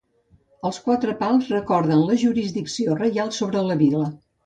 Els quatre pals recorden la jurisdicció reial sobre la vila.